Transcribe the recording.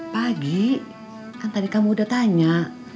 pagi kan tadi kamu udah tanya